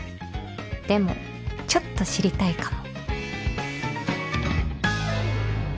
でもちょっと知りたいかも